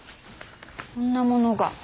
こんなものが。